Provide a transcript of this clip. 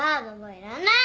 いらない。